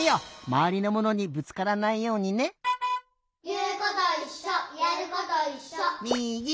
まわりのものにぶつからないようにね！いうこといっしょ！